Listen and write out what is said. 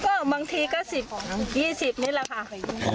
ก็บางทีก็สิบยี่สิบนี่แหละค่ะ